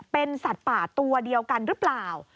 เป็นสัตว์ป่าตัวเดียวกันหรือเปล่า